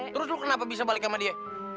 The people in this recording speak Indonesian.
terus lu kenapa bisa balik sama dia